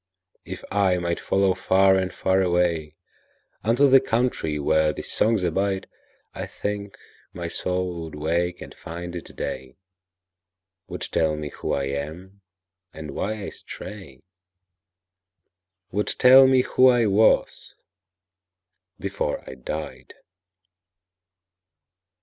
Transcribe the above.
If I might follow far and far awayUnto the country where these songs abide,I think my soul would wake and find it day, Would tell me who I am, and why I stray,—Would tell me who I was before I died.